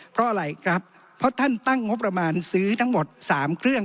เพราะอะไรครับเพราะท่านตั้งงบประมาณซื้อทั้งหมด๓เครื่อง